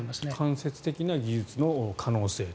間接的な技術の可能性。